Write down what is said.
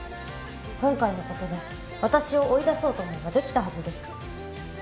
今回のことで私を追い出そうと思えばできたはずです。